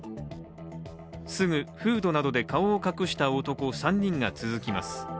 すぐフードなどで顔を隠した男３人が続きます。